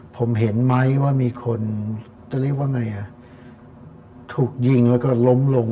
ผมเห็นไหมว่ามีคนจะเรียกว่าไงอ่ะถูกยิงแล้วก็ล้มลง